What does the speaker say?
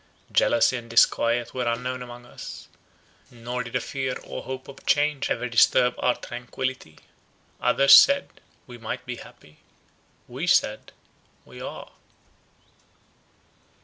Jealousy and disquiet were unknown among us; nor did a fear or hope of change ever disturb our tranquillity. Others said, We might be happy—we said—We are.